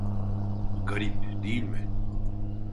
Garip, değil mi?